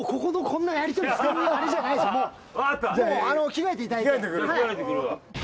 着替えていただいて。